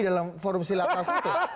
dalam forum silapas itu